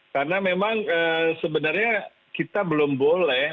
karena memang sebenarnya kita belum boleh